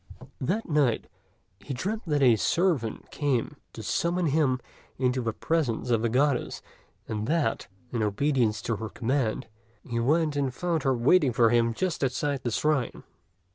That night he dreamt that a servant came to summon him into the presence of the Goddess; and that, in obedience to her command, he went and found her waiting for him just outside the shrine.